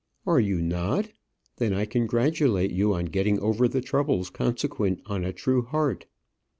"Are you not? then I congratulate you on getting over the troubles consequent on a true heart."